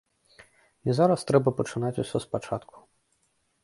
І зараз трэба пачынаць усё з пачатку.